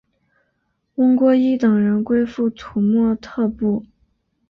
翁郭依等人归附土默特部。